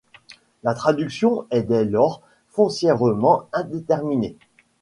La traduction est dès lors foncièrement indéterminée.